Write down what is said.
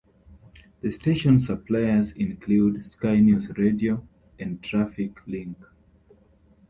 The station's suppliers include Sky News Radio and Trafficlink.